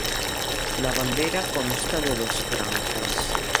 La bandera consta de dos franjas.